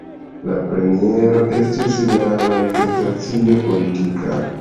La premiero estis manifestacio politika.